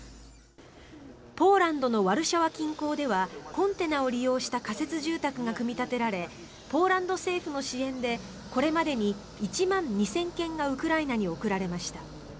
ポーランドのワルシャワ近郊ではコンテナを利用した仮設住宅が組み立てられポーランド政府の支援でこれまでに１万２０００軒がウクライナに送られました。